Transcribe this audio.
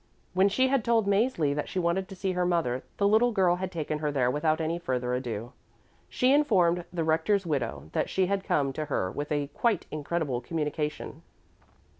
When she had told Mäzli that she wanted to see her mother, the little girl had taken her there without any further ado. She informed the Rector's widow that she had come to her with a quite incredible communication.